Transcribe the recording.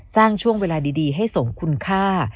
สร้างช่วงเวลาดีให้สมคุณค่า